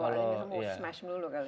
bawaan yang bisa mau smash dulu kali ya